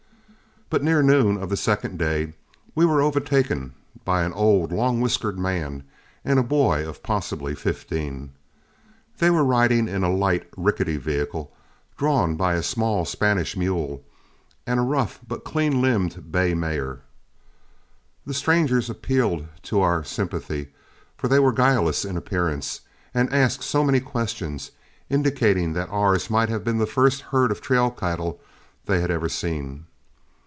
But near noon of the second day, we were overtaken by an old, long whiskered man and a boy of possibly fifteen. They were riding in a light, rickety vehicle, drawn by a small Spanish mule and a rough but clean limbed bay mare. The strangers appealed to our sympathy, for they were guileless in appearance, and asked so many questions, indicating that ours might have been the first herd of trail cattle they had ever seen.